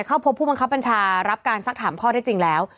เข้าพบผู้บังคับบัญชารับการสักถามข้อได้จริงแล้ว